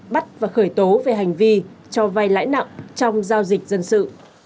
bắt và khởi tố về hành vi cho vay lãi nặng trong giao dịch dân sự